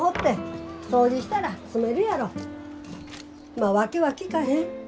まあ訳は聞かへん。